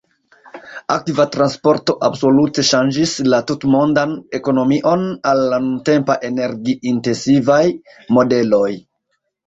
Akva transporto absolute ŝanĝis la tutmondan ekonomion al la nuntempa energi-intensivaj modeloj.